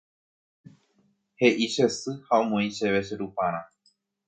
He'i che sy ha omoĩ chéve che ruparã.